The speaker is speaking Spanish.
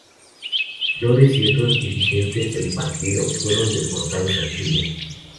Flores y otros dirigentes del partido fueron deportados a Chile.